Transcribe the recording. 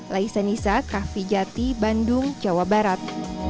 laisa nisa kah fijati bandung jawa barat